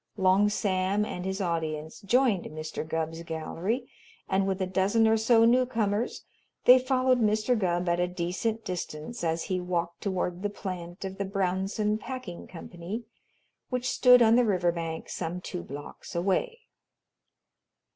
Long Sam and his audience joined Mr. Gubb's gallery and, with a dozen or so newcomers, they followed Mr. Gubb at a decent distance as he walked toward the plant of the Brownson Packing Company, which stood on the riverbank some two blocks away.